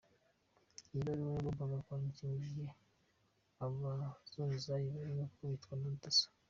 Iyi baruwa yagombaga kwandikwa igihe abazunguzayi barimo bakubitwa na Daso.